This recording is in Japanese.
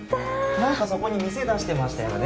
何かそこに店出してましたよね。